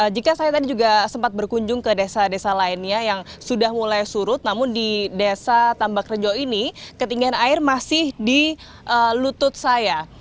jika saya tadi juga sempat berkunjung ke desa desa lainnya yang sudah mulai surut namun di desa tambak rejo ini ketinggian air masih di lutut saya